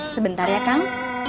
sebentar ya kang